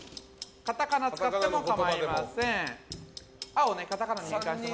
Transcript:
カタカナ使っても構いません。